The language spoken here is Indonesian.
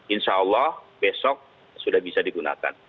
insya allah besok sudah bisa digunakan